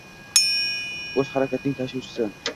“o‘zharakatning” tashuvchisi